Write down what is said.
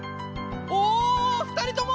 おふたりとも！